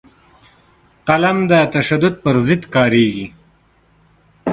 قلم د تشدد پر ضد کارېږي